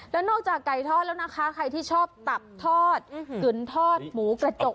แล้วนอกจากไก่ทอดแล้วนะคะใครที่ชอบตับทอดกึ่นทอดหมูกระจก